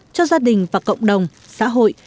cho gia đình và cộng đồng xã hội